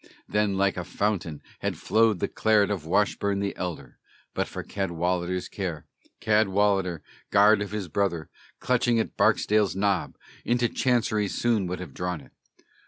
Then like a fountain had flowed the claret of Washburne the elder, But for Cadwallader's care, Cadwallader, guard of his brother, Clutching at Barksdale's nob, into Chancery soon would have drawn it.